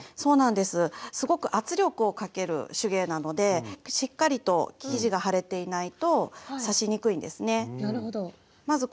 すごく圧力をかける手芸なのでしっかりと生地が張れていないと刺しにくいんですね。